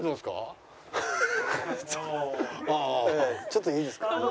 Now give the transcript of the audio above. ちょっといいですか？